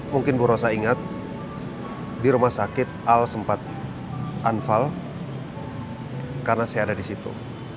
mungkin bu rosa ingat di rumah sakit al sempat anfal karena saya ada di situ